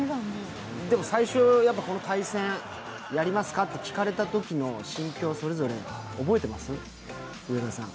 でも最初、この対戦やりますか？と聞かれたときの心境覚えてます？